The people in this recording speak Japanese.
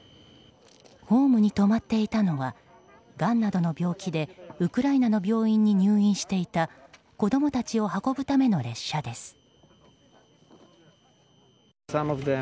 ホームに止まっていたのはがんなどの病気でウクライナの病院に入院していた子供たちを運ぶための列車です。